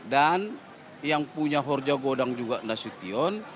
dan yang punya horja godang juga nasution